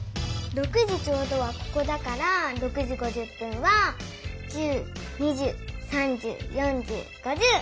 ６時ちょうどはここだから６時５０分は１０２０３０４０５０ここ！